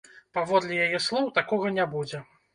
Паводле яе слоў, такога не будзе.